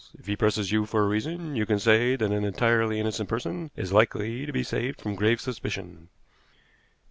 "If he presses you for a reason, you can say that an entirely innocent person is likely to be saved from grave suspicion."